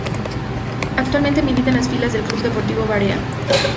Actualmente milita en las filas del Club Deportivo Varea.